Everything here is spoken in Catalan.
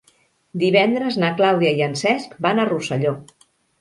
Divendres na Clàudia i en Cesc van a Rosselló.